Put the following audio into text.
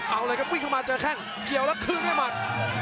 เอาเลยครับวิ่งเข้ามาเจอแข้งเกี่ยวแล้วคืนด้วยหมัด